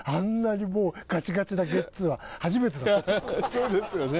そうですよね。